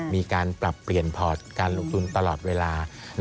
มีการปรับเปลี่ยนพอร์ตการลงทุนตลอดเวลา